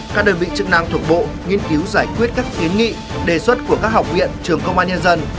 các đơn vị chức năng thuộc bộ nghiên cứu giải quyết các kiến nghị đề xuất của các học viện trường công an nhân dân